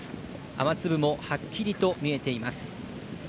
雨粒もはっきりと見えています。